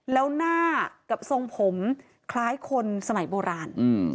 แล้วหน้ากับทรงผมคล้ายคนสมัยโบราณ